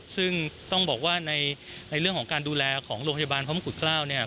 ซึ่งต้องบอกว่าในเรื่องของการดูแลของโรงพยาบาลพระมงกุฎเกล้าเนี่ย